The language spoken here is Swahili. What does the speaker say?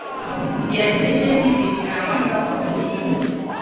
Viazi lishe hivi vina wanga kwa wingi